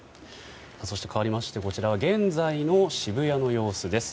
そして、かわりましてこちらは現在の渋谷の様子です。